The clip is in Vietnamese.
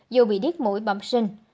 dù bị điếc mũi bỏng sinh